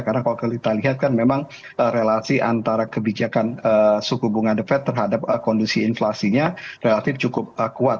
karena kalau kita lihat kan memang relasi antara kebijakan suku bunga the fed terhadap kondisi inflasinya relatif cukup kuat